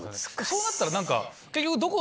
そうなったら何か結局。